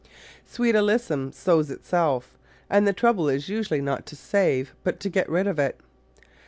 Sweet Alyssum sows itself, and the trouble is usually not to save but to get rid of it.